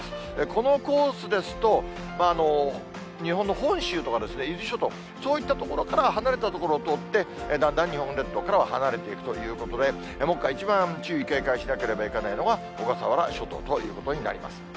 このコースですと、日本の本州とか伊豆諸島、そういった所からは離れた所を通って、だんだん日本列島からは離れていくということで、目下、一番、注意、警戒しなければいけないのが、小笠原諸島ということになります。